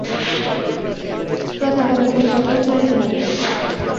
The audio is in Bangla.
প্রতাপাদিত্যের কথাই চলিতে লাগিল।